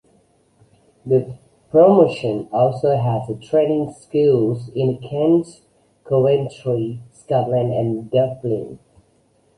The promotion also has training schools in Kent, Coventry, Scotland and Dublin.